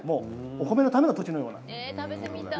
お米のための土地のようなところです。